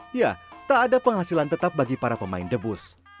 dia tak ada penghasilan tetap bagi para pemain debus